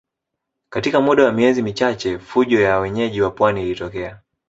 Katika muda wa miezi michache fujo ya wenyeji wa pwani ilitokea